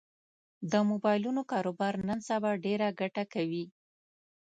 د مبایلونو کاروبار نن سبا ډېره ګټه کوي